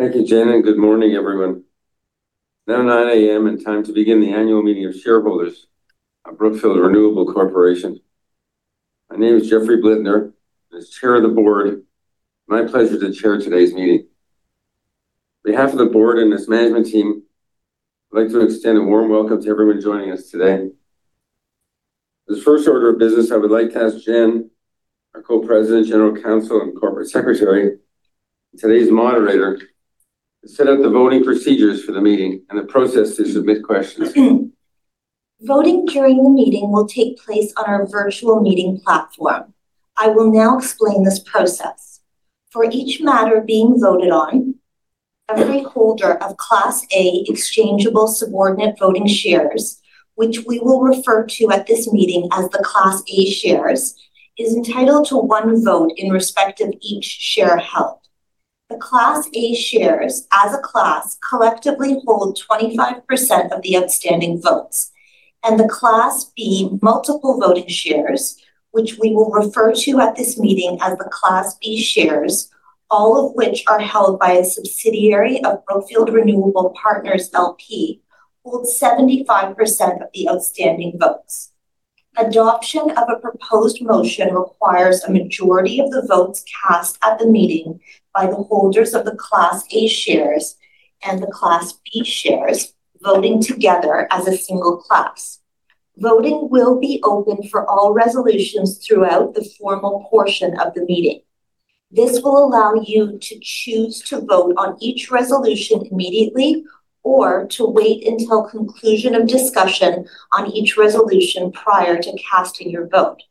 Thank you, Jen, and good morning, everyone. It's now 9:00 A.M. and time to begin the annual meeting of shareholders of Brookfield Renewable Corporation. My name is Jeffrey Blidner, as Chair of the Board, my pleasure to chair today's meeting. On behalf of the Board and its management team, I would like to extend a warm welcome to everyone joining us today. As the first order of business, I would like to ask Jen, our Co-President, General Counsel, and Corporate Secretary, and today's moderator, to set out the voting procedures for the meeting and the process to submit questions. Voting during the meeting will take place on our virtual meeting platform. I will now explain this process. For each matter being voted on, every holder of Class A exchangeable subordinate voting shares, which we will refer to at this meeting as the Class A shares, is entitled to one vote in respect of each share held. The Class A shares, as a class, collectively hold 25% of the outstanding votes. The Class B multiple voting shares, which we will refer to at this meeting as the Class B shares, all of which are held by a subsidiary of Brookfield Renewable Partners L.P., hold 75% of the outstanding votes. Adoption of a proposed motion requires a majority of the votes cast at the meeting by the holders of the Class A shares and the Class B shares voting together as a single class. Voting will be open for all resolutions throughout the formal portion of the meeting. This will allow you to choose to vote on each resolution immediately or to wait until conclusion of discussion on each resolution prior to casting your vote.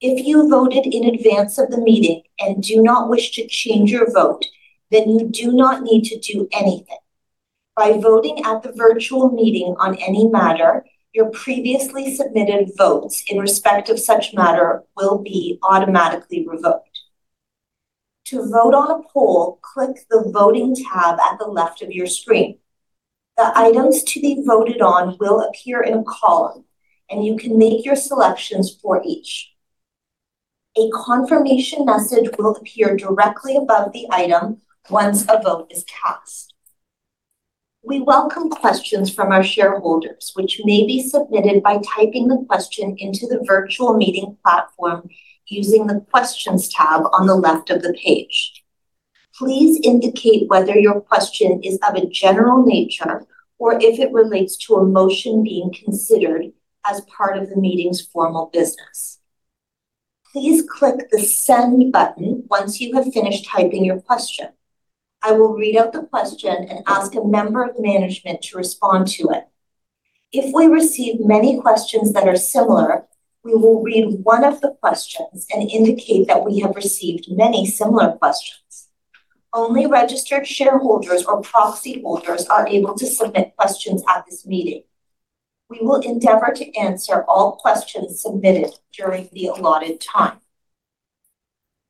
If you voted in advance of the meeting and do not wish to change your vote, you do not need to do anything. By voting at the virtual meeting on any matter, your previously submitted votes in respect of such matter will be automatically revoked. To vote on a poll, click the voting tab at the left of your screen. The items to be voted on will appear in a column, and you can make your selections for each. A confirmation message will appear directly above the item once a vote is cast. We welcome questions from our shareholders, which may be submitted by typing the question into the virtual meeting platform using the questions tab on the left of the page. Please indicate whether your question is of a general nature or if it relates to a motion being considered as part of the meeting's formal business. Please click the send button once you have finished typing your question. I will read out the question and ask a member of management to respond to it. If we receive many questions that are similar, we will read one of the questions and indicate that we have received many similar questions. Only registered shareholders or proxy holders are able to submit questions at this meeting. We will endeavor to answer all questions submitted during the allotted time.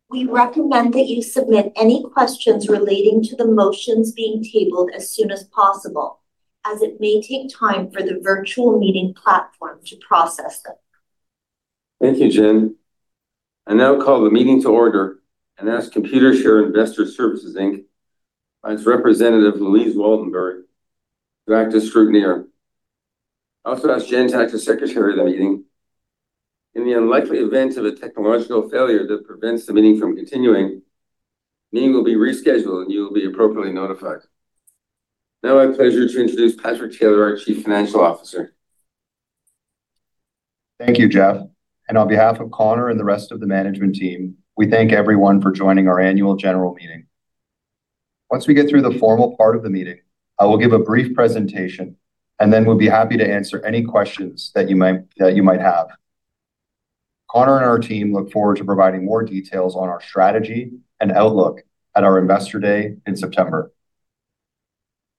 We recommend that you submit any questions relating to the motions being tabled as soon as possible, as it may take time for the virtual meeting platform to process them. Thank you, Jen. I now call the meeting to order and ask Computershare Investor Services Inc., by its representative, Louise Waltenbury, to act as scrutineer. I also ask Jen to act as secretary of the meeting. In the unlikely event of a technological failure that prevents the meeting from continuing, the meeting will be rescheduled, and you'll be appropriately notified. My pleasure to introduce Patrick Taylor, our Chief Financial Officer. Thank you, Jeff. On behalf of Connor and the rest of the management team, we thank everyone for joining our annual general meeting. Once we get through the formal part of the meeting, I will give a brief presentation, then we'll be happy to answer any questions that you might have. Connor and our team look forward to providing more details on our strategy and outlook at our Investor Day in September.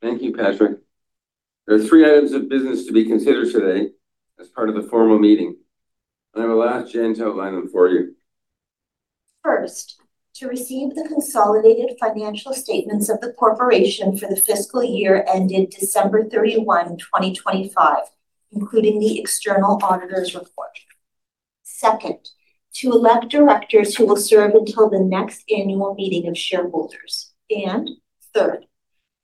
Thank you, Patrick. There are three items of business to be considered today as part of the formal meeting. I will ask Jen to outline them for you. First, to receive the consolidated financial statements of the Corporation for the fiscal year ended December 31, 2025, including the external auditor's report. Second, to elect directors who will serve until the next annual meeting of shareholders. Third,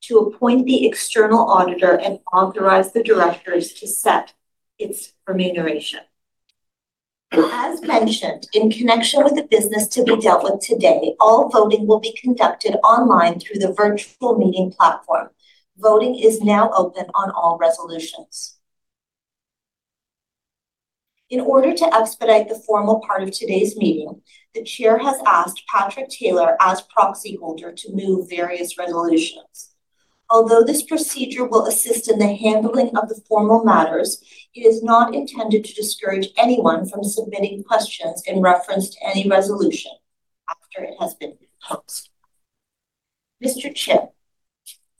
to appoint the external auditor and authorize the directors to set its remuneration. As mentioned, in connection with the business to be dealt with today, all voting will be conducted online through the virtual meeting platform. Voting is now open on all resolutions. In order to expedite the formal part of today's meeting, the chair has asked Patrick Taylor as proxy holder to move various resolutions. Although this procedure will assist in the handling of the formal matters, it is not intended to discourage anyone from submitting questions in reference to any resolution after it has been proposed. Mr. Chair,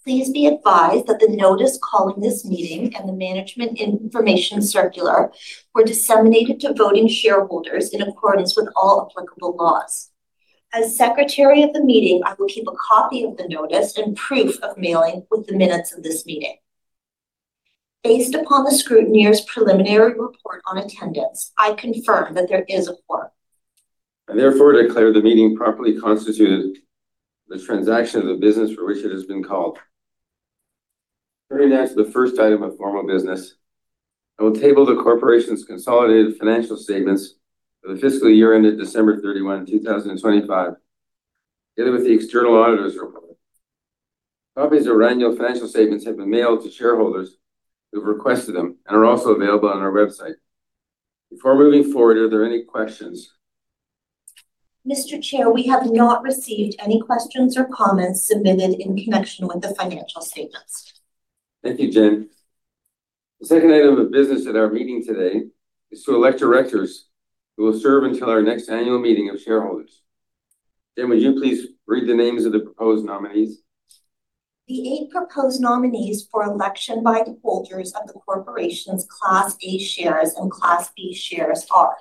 please be advised that the notice calling this meeting and the management information circular were disseminated to voting shareholders in accordance with all applicable laws. As secretary of the meeting, I will keep a copy of the notice and proof of mailing with the minutes of this meeting. Based upon the scrutineer's preliminary report on attendance, I confirm that there is a quorum. I therefore declare the meeting properly constituted for the transaction of the business for which it has been called. Turning now to the first item of formal business, I will table the corporation's consolidated financial statements for the fiscal year ended December 31, 2025, together with the external auditor's report. Copies of our annual financial statements have been mailed to shareholders who have requested them and are also available on our website. Before moving forward, are there any questions? Mr. Chair, we have not received any questions or comments submitted in connection with the financial statements. Thank you, Jen. The second item of business at our meeting today is to elect directors who will serve until our next annual meeting of shareholders. Jen, would you please read the names of the proposed nominees? The eight proposed nominees for election by the holders of the corporation's Class A shares and Class B shares are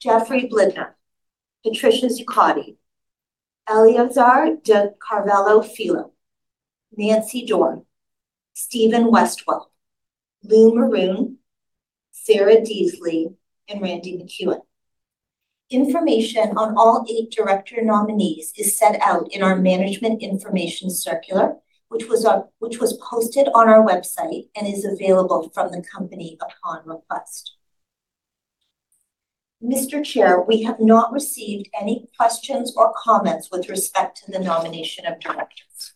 Jeffrey Blidner, Patricia Zuccotti, Eleazar de Carvalho Filho, Nancy Dorn, Stephen Westwell, Lou Maroun, Sarah Deasley, and Randy MacEwen. Information on all eight director nominees is set out in our management information circular, which was posted on our website and is available from the company upon request. Mr. Chair, we have not received any questions or comments with respect to the nomination of directors.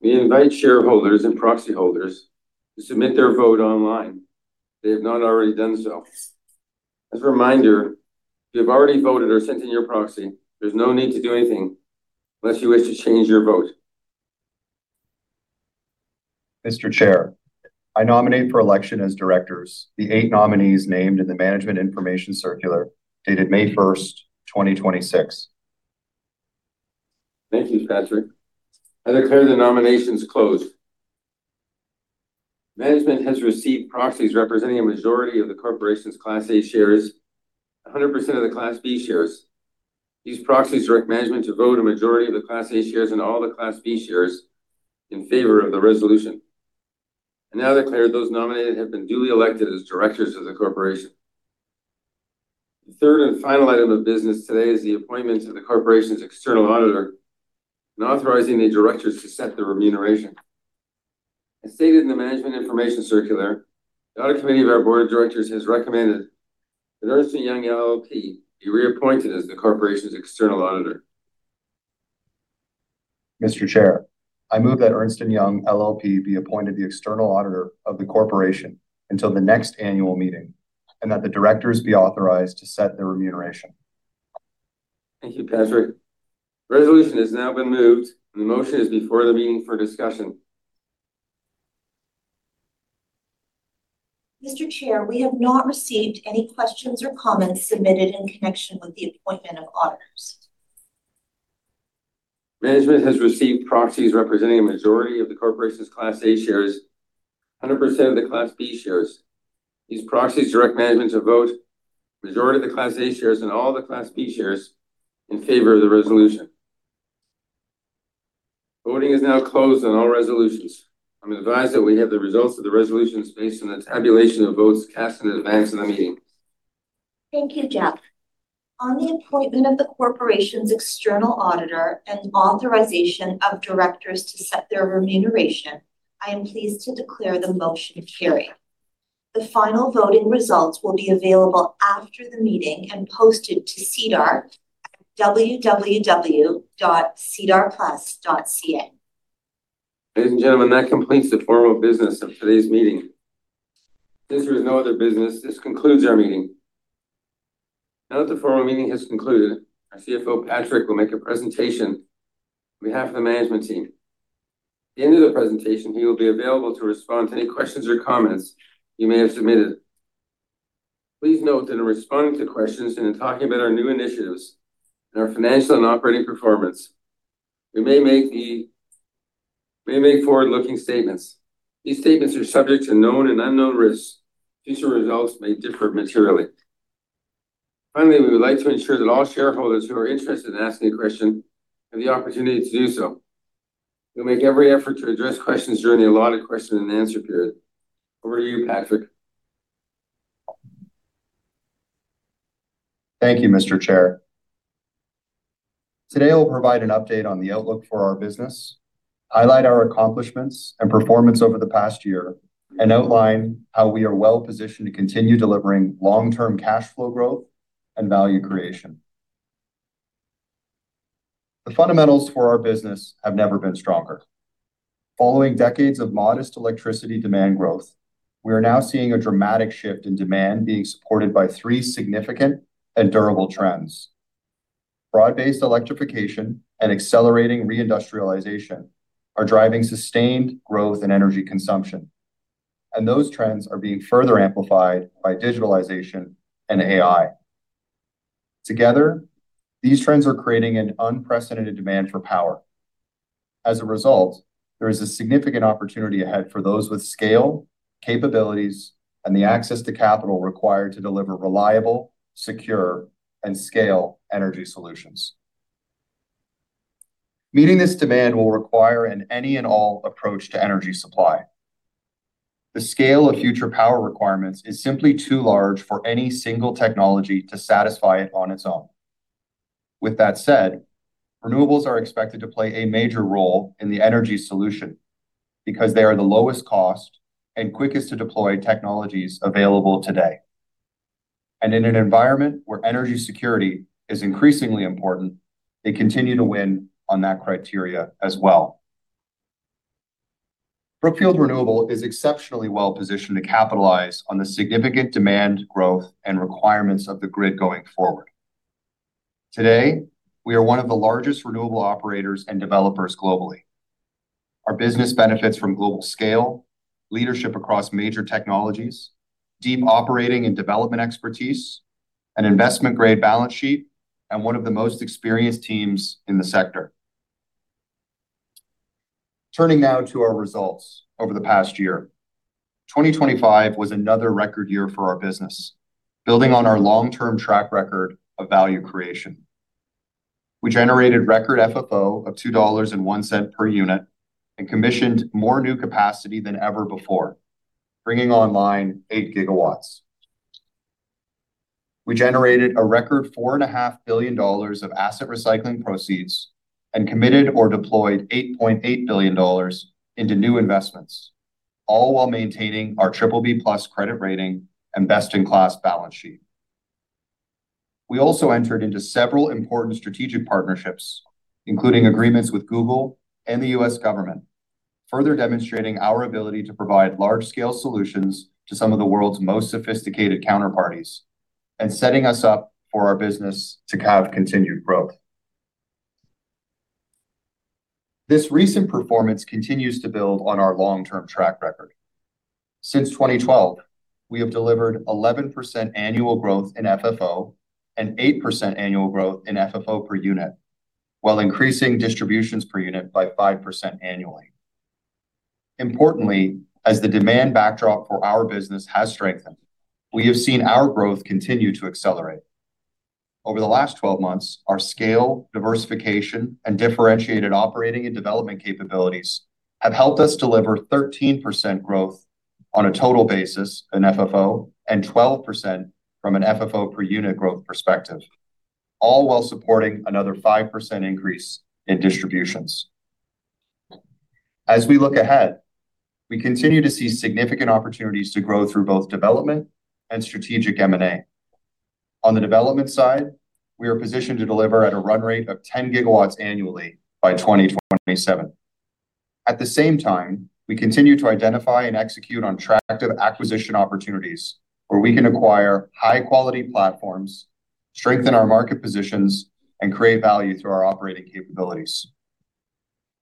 We invite shareholders and proxy holders to submit their vote online if they have not already done so. As a reminder, if you have already voted or sent in your proxy, there's no need to do anything unless you wish to change your vote. Mr. Chair, I nominate for election as directors the eight nominees named in the management information circular dated May 1st, 2026. Thank you, Patrick. I declare the nominations closed. Management has received proxies representing a majority of the corporation's Class A shares, 100% of the Class B shares. These proxies direct management to vote a majority of the Class A shares and all the Class B shares in favor of the resolution. I now declare those nominated have been duly elected as directors of the corporation. The third and final item of business today is the appointment of the corporation's external auditor and authorizing the directors to set their remuneration. As stated in the management information circular, the audit committee of our board of directors has recommended that Ernst & Young LLP be reappointed as the corporation's external auditor. Mr. Chair, I move that Ernst & Young LLP be appointed the external auditor of the corporation until the next annual meeting, and that the directors be authorized to set their remuneration. Thank you, Patrick. The resolution has now been moved, and the motion is before the meeting for discussion. Mr. Chair, we have not received any questions or comments submitted in connection with the appointment of auditors. Management has received proxies representing a majority of the corporation's Class A shares, 100% of the Class B shares. These proxies direct management to vote the majority of the Class A shares and all the Class B shares in favor of the resolution. Voting is now closed on all resolutions. I'm advised that we have the results of the resolutions based on the tabulation of votes cast in advance of the meeting. Thank you, Jeff. On the appointment of the corporation's external auditor and authorization of directors to set their remuneration, I am pleased to declare the motion carried. The final voting results will be available after the meeting and posted to SEDAR+ at www.sedarplus.ca. Ladies and gentlemen, that completes the formal business of today's meeting. Since there is no other business, this concludes our meeting. Now that the formal meeting has concluded, our CFO, Patrick, will make a presentation on behalf of the management team. At the end of the presentation, he will be available to respond to any questions or comments you may have submitted. Please note that in responding to questions and in talking about our new initiatives and our financial and operating performance, we may make forward-looking statements. These statements are subject to known and unknown risks. Future results may differ materially. Finally, we would like to ensure that all shareholders who are interested in asking a question have the opportunity to do so. We'll make every effort to address questions during the allotted question and answer period. Over to you, Patrick. Thank you, Mr. Chair. Today, I'll provide an update on the outlook for our business, highlight our accomplishments and performance over the past year, and outline how we are well-positioned to continue delivering long-term cash flow growth and value creation. The fundamentals for our business have never been stronger. Following decades of modest electricity demand growth, we are now seeing a dramatic shift in demand being supported by three significant and durable trends. Broad-based electrification and accelerating reindustrialization are driving sustained growth in energy consumption, and those trends are being further amplified by digitalization and AI. Together, these trends are creating an unprecedented demand for power. As a result, there is a significant opportunity ahead for those with scale, capabilities, and the access to capital required to deliver reliable, secure, and scale energy solutions. Meeting this demand will require an any and all approach to energy supply. The scale of future power requirements is simply too large for any single technology to satisfy it on its own. With that said, renewables are expected to play a major role in the energy solution because they are the lowest cost and quickest to deploy technologies available today. In an environment where energy security is increasingly important, they continue to win on that criteria as well. Brookfield Renewable is exceptionally well-positioned to capitalize on the significant demand growth and requirements of the grid going forward. Today, we are one of the largest renewable operators and developers globally. Our business benefits from global scale, leadership across major technologies, deep operating and development expertise, an investment-grade balance sheet, and one of the most experienced teams in the sector. Turning now to our results over the past year. 2025 was another record year for our business, building on our long-term track record of value creation. We generated record FFO of $2.01 per unit and commissioned more new capacity than ever before, bringing online 8 GW. We generated a record $4.5 billion of asset recycling proceeds and committed or deployed $8.8 billion into new investments, all while maintaining our BBB+ credit rating and best-in-class balance sheet. We also entered into several important strategic partnerships, including agreements with Google and the U.S. government, further demonstrating our ability to provide large-scale solutions to some of the world's most sophisticated counterparties and setting us up for our business to have continued growth. This recent performance continues to build on our long-term track record. Since 2012, we have delivered 11% annual growth in FFO and 8% annual growth in FFO per unit while increasing distributions per unit by 5% annually. Importantly, as the demand backdrop for our business has strengthened, we have seen our growth continue to accelerate. Over the last 12 months, our scale, diversification, and differentiated operating and development capabilities have helped us deliver 13% growth on a total basis in FFO, and 12% from an FFO-per-unit growth perspective, all while supporting another 5% increase in distributions. As we look ahead, we continue to see significant opportunities to grow through both development and strategic M&A. On the development side, we are positioned to deliver at a run rate of 10 GW annually by 2027. At the same time, we continue to identify and execute on attractive acquisition opportunities where we can acquire high-quality platforms, strengthen our market positions, and create value through our operating capabilities.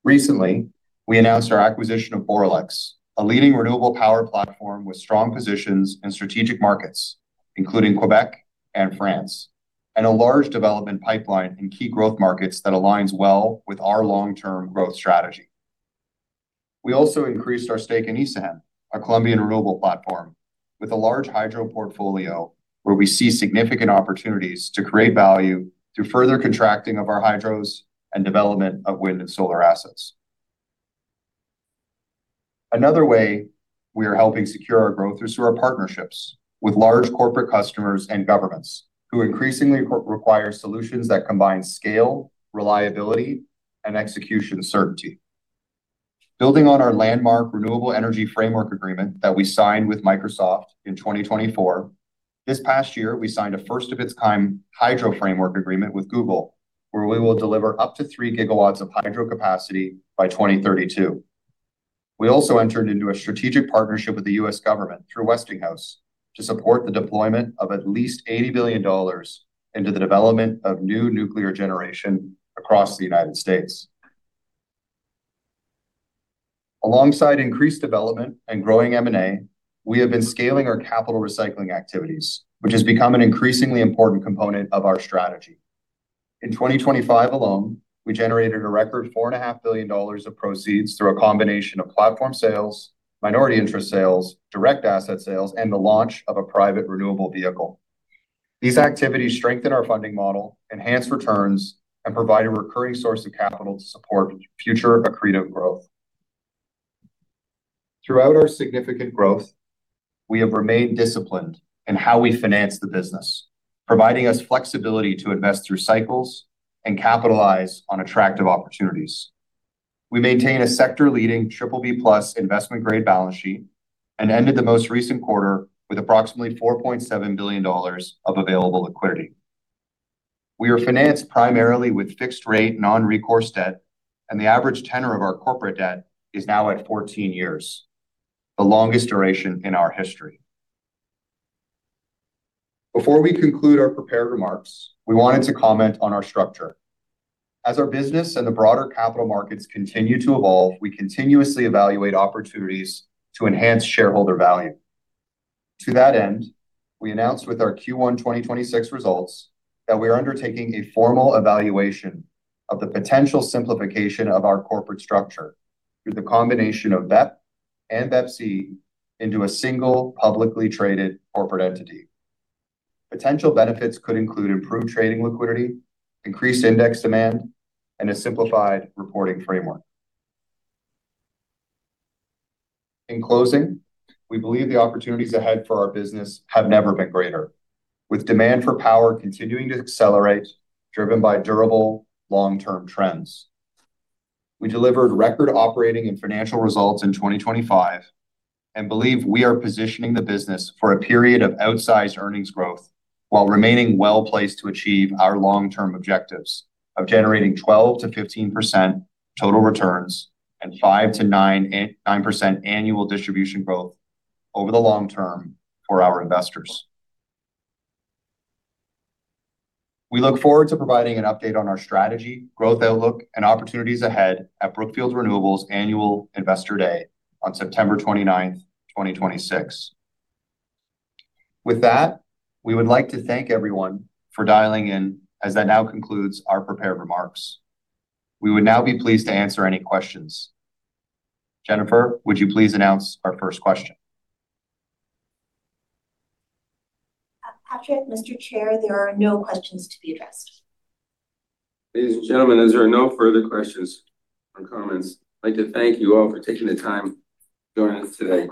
Recently, we announced our acquisition of Boralex, a leading renewable power platform with strong positions in strategic markets, including Quebec and France, and a large development pipeline in key growth markets that aligns well with our long-term growth strategy. We also increased our stake in Isagen, a Colombian renewable platform with a large hydro portfolio, where we see significant opportunities to create value through further contracting of our hydros and development of wind and solar assets. Another way we are helping secure our growth is through our partnerships with large corporate customers and governments who increasingly require solutions that combine scale, reliability, and execution certainty. Building on our landmark renewable energy framework agreement that we signed with Microsoft in 2024, this past year, we signed a first of its kind hydro framework agreement with Google, where we will deliver up to 3 GW of hydro capacity by 2032. We also entered into a strategic partnership with the U.S. government through Westinghouse to support the deployment of at least $80 billion into the development of new nuclear generation across the United States. Alongside increased development and growing M&A, we have been scaling our capital recycling activities, which has become an increasingly important component of our strategy. In 2025 alone, we generated a record $4.5 billion of proceeds through a combination of platform sales, minority interest sales, direct asset sales, and the launch of a private renewable vehicle. These activities strengthen our funding model, enhance returns, and provide a recurring source of capital to support future accretive growth. Throughout our significant growth, we have remained disciplined in how we finance the business, providing us flexibility to invest through cycles and capitalize on attractive opportunities. We maintain a sector-leading BBB+ investment grade balance sheet and ended the most recent quarter with approximately $4.7 billion of available liquidity. We are financed primarily with fixed rate non-recourse debt, and the average tenor of our corporate debt is now at 14 years, the longest duration in our history. Before we conclude our prepared remarks, we wanted to comment on our structure. To that end, we announced with our Q1 2026 results that we are undertaking a formal evaluation of the potential simplification of our corporate structure through the combination of BEP and BEPC into a single publicly traded corporate entity. Potential benefits could include improved trading liquidity, increased index demand, and a simplified reporting framework. In closing, we believe the opportunities ahead for our business have never been greater. With demand for power continuing to accelerate, driven by durable long-term trends. We delivered record operating and financial results in 2025 and believe we are positioning the business for a period of outsized earnings growth while remaining well-placed to achieve our long-term objectives of generating 12%-15% total returns and 5%-9% annual distribution growth over the long term for our investors. We look forward to providing an update on our strategy, growth outlook, and opportunities ahead at Brookfield Renewable's Annual Investor Day on September 29th, 2026. With that, we would like to thank everyone for dialing in as that now concludes our prepared remarks. We would now be pleased to answer any questions. Jennifer, would you please announce our first question? Patrick, Mr. Chair, there are no questions to be addressed. Ladies and gentlemen, as there are no further questions or comments, I'd like to thank you all for taking the time joining us today.